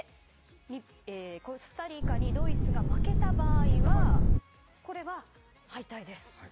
コスタリカにドイツが負けた場合はこれは敗退です。